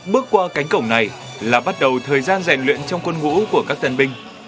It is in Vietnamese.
bước qua cánh cổng này là bắt đầu thời gian rèn luyện trong quân ngũ của các tân binh